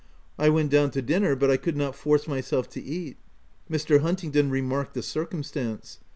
I went down to dinner, but I could not force myself to eat. Mr. Huntingdon remarked the circum stance.